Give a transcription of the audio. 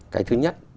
cái thứ nhất